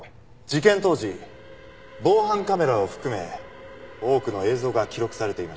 事件当時防犯カメラを含め多くの映像が記録されていました。